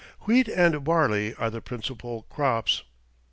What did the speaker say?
Wheat and barley are the principal crops.